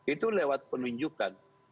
itu lewat penunjukan